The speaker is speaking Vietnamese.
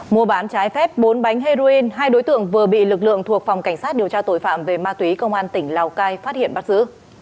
mua bán trái phép bốn bánh heroin hai đối tượng vừa bị lực lượng thuộc phòng cảnh sát điều tra tội phạm về ma túy công an tỉnh lào cai phát hiện bắt giữ